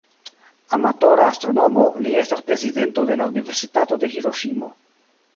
Amatora astronomo, li estas prezidento de la Universitato de Hiroŝimo.